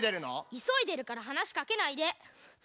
いそいでるからはなしかけないで！